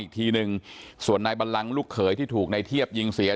อีกทีหนึ่งส่วนนายบัลลังลูกเขยที่ถูกในเทียบยิงเสีย